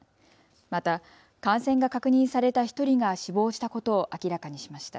また感染が確認された１人が死亡したことを明らかにしました。